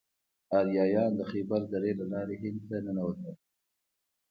آریایان د خیبر درې له لارې هند ته ننوتل.